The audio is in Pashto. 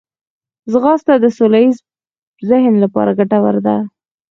ځغاسته د سوله ییز ذهن لپاره ګټوره ده